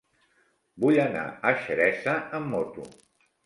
Vull anar a Xeresa amb moto.